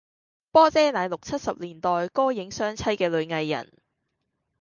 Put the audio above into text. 波姐乃六七拾年代歌影雙棲嘅女藝人